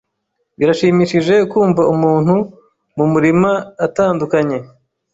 Birashimishije kumva umuntu mumurima utandukanye.